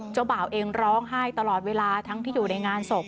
บ่าวเองร้องไห้ตลอดเวลาทั้งที่อยู่ในงานศพ